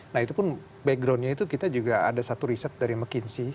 nah itu pun backgroundnya itu kita juga ada satu riset dari mcinshi